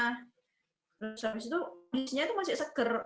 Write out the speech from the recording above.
terus habis itu misnya itu masih seger